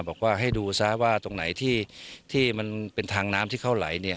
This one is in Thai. บอกว่าให้ดูซะว่าตรงไหนที่มันเป็นทางน้ำที่เข้าไหล